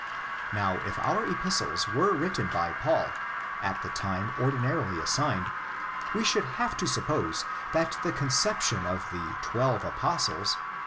Now, if our Epistles were written by Paul at the time ordinarily assigned, we should have to suppose that the conception of the '"'Twelve Apostles'?